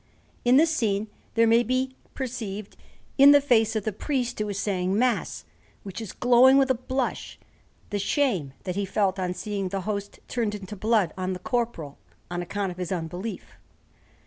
In this scene there may be perceived in the face of the priest who is saying Mass, which is glowing with a blush, the shame that he felt on seeing the Host turned into blood on the Corporal on account of his unbelief.